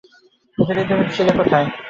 এতদিন তুমি ছিলে কোথায়?